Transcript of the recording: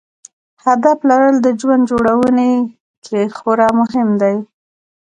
هدف لرل د ژوند جوړونې کې خورا مهم دی.